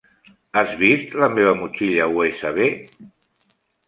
Has vist la meva motxilla USB?